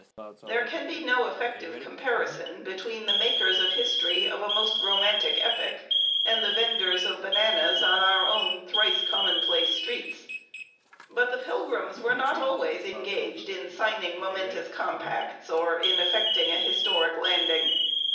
There can be no effective comparison between the makers of history of a most romantic epoch and the venders of bananas on our own thrice commonplace streets. But the Pilgrims were not always engaged in signing momentous compacts or in effecting a historic landing.